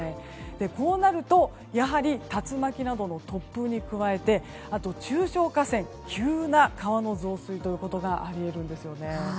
こうなると竜巻などの突風に加えて中小河川の、急な川の増水があり得るんですよね。